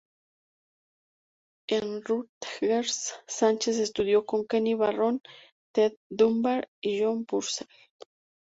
En Rutgers, Sanchez estudió con Kenny Barron, Ted Dunbar y John Purcell.